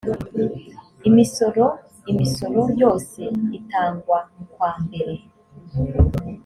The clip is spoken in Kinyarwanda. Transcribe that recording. imisoro imisoro yose itangwa mukwambere.